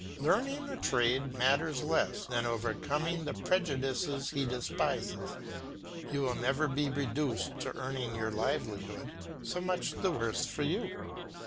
Learning a trade matters less than overcoming the prejudices he despises. You will never be reduced to earning your livelihood; so much the worse for you.